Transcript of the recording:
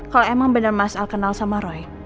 kalau emang benar mas al kenal sama roy